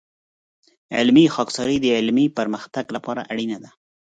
علمي خاکساري د علمي پرمختګ لپاره اړینه ده.